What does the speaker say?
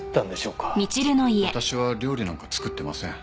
私は料理なんか作ってません。